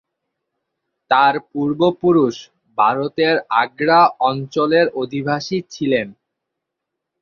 তার পূর্বপুরুষ ভারতের আগ্রা অঞ্চলের অধিবাসী ছিলেন।